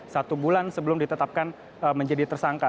satu bulan sebelum ditetapkan menjadi tersangka